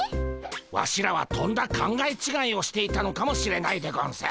ワシらはとんだ考え違いをしていたのかもしれないでゴンス。